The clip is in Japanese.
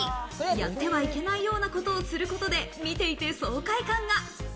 やってはいけないようなことをすることで見ていて爽快感が。